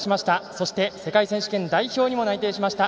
そして、世界選手権代表にも内定しました。